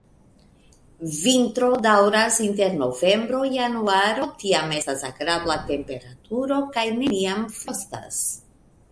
Vintro daŭras inter novembro-januaro, tiam estas agrabla temperaturo kaj neniam frostas.